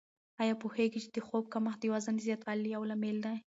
آیا پوهېږئ چې د خوب کمښت د وزن د زیاتوالي یو لامل دی؟